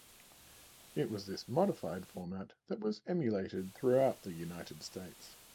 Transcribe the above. It was this modified format that was emulated throughout the United States.